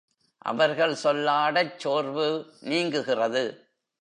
அவர்கள் சொல்லாடச் சோர்வு நீங்குகிறது.